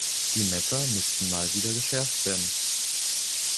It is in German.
Die Messer müssten Mal wieder geschärft werden.